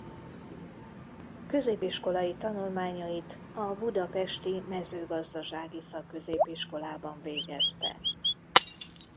Középiskolai tanulmányait a budapesti Mezőgazdasági Szakközépiskolában végezte.